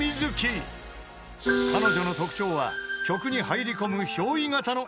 ［彼女の特徴は曲に入り込む］